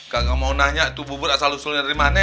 kagak mau nanya itu bubur asal usulnya dari mana